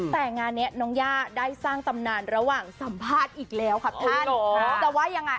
แต่งานเนี่ยน้องย่าได้สร้างตำนานระหว่างสัมภาษณ์อีกแล้วค่ะท่าน